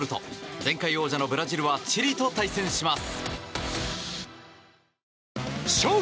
前回王者のブラジルはチリと対戦します。